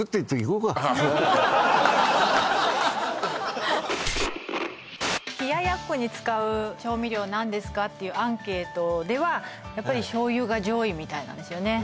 お父さん冷奴に使う調味料何ですかっていうアンケートではやっぱり醤油が上位みたいなんですよね